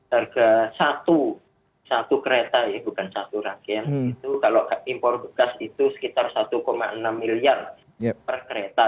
harga satu satu kereta ya bukan satu rangkaian itu kalau impor bekas itu sekitar satu enam miliar per kereta